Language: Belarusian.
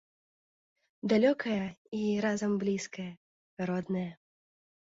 Далёкая і разам блізкая, родная.